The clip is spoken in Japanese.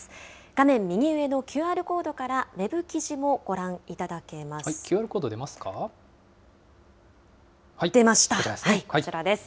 画面右上のＱＲコードからウェブ記事もご覧いただけます。